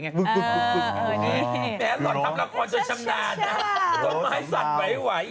ต้นไม้สัดไวอีบ้าโรสัมเท้า